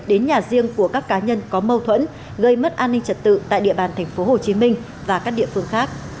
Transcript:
đến nhà riêng của các cá nhân có mâu thuẫn gây mất an ninh trật tự tại địa bàn tp hcm và các địa phương khác